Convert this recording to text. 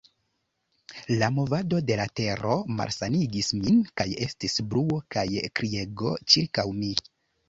La movado de la tero malsanigis min, kaj estis bruo kaj kriego ĉirkaŭ mi.